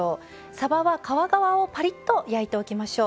さばは皮側をカリッと焼いておきましょう。